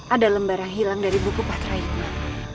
ada lembar yang hilang dari buku patraikma